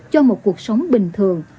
cho một cuộc sống bình thường